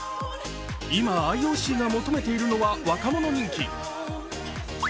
今、ＩＯＣが求めているのは若者人気。